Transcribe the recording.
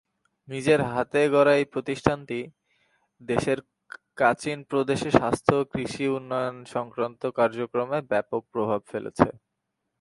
নিজের হাতে গড়া এই প্রতিষ্ঠানটি দেশের কাচিন প্রদেশে স্বাস্থ্য ও কৃষি উন্নয়ন-সংক্রান্ত কার্যক্রমে ব্যাপক প্রভাব ফেলেছে।